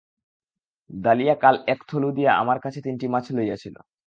দালিয়া কাল এক থলু দিয়া আমার কাছে তিনটি মাছ লইয়াছিল।